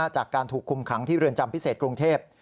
จากการถูกคุมขังที่เรือนจำพิเศษกรุงเทพ